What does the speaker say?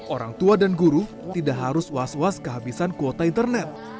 orang tua dan guru tidak harus was was kehabisan kuota internet